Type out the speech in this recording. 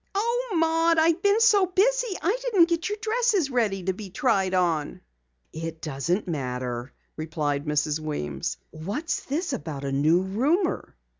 "Oh, Maud, I've been so busy I didn't get your dresses ready to be tried on." "It doesn't matter," replied Mrs. Weems. "What's this about a new roomer?"